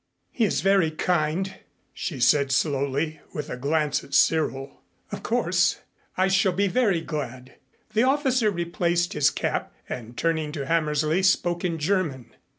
"He is very kind," she said slowly with a glance at Cyril. "Of course I shall be very glad." The officer replaced his cap and, turning to Hammersley, spoke in German.